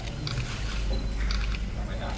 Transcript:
ขอบคุณมากขอบคุณค่ะ